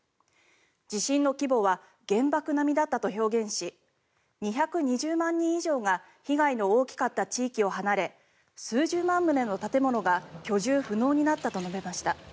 地震の規模は原爆並みだったと表現し２２０万人以上が被害の大きかった地域を離れ数十万棟の建物が居住不能になったと述べました。